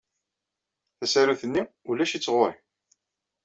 Tasarut-nni ulac-itt ɣer-i.